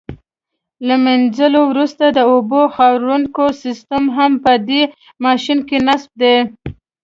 له منځلو وروسته د اوبو خاروونکی سیسټم هم په دې ماشین کې نصب دی.